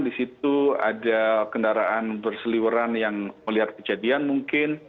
di situ ada kendaraan berseliweran yang melihat kejadian mungkin